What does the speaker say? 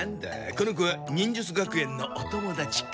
この子は忍術学園のお友達か？